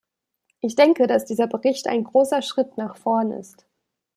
Ich denke, dass dieser Bericht ein großer Schritt nach vorn ist.